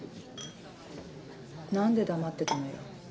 何で黙ってたのよ？